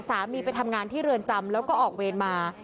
ไปทำงานที่เรือนจำแล้วก็ออกเวรมา